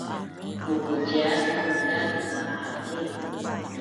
mukuciat dulaz ma’aliv